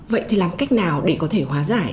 vậy thì làm cách nào để có thể hóa giải